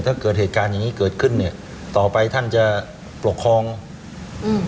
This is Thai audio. ถ้าเกิดเหตุการณ์อย่างงี้เกิดขึ้นเนี้ยต่อไปท่านจะปกครองอืม